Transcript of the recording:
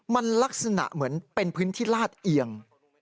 มันลักษณะเหมือนเป็นพื้นที่ลาดเอียง